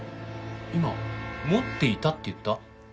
今「持っていた」って言った？